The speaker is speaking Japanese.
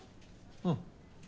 うん。